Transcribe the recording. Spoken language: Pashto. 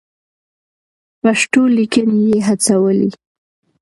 پښتو ليکنې يې هڅولې.